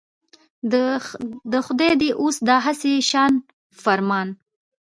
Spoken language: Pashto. د خدای دی اوس دا هسي شان فرمان.